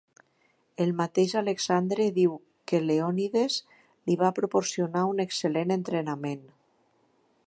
El mateix Alexandre diu que Leònides li va proporcionar un excel·lent entrenament.